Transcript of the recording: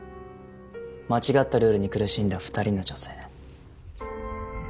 間違ったルールに苦しんだ２人の女性。